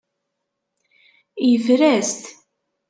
Yeffer-as-t.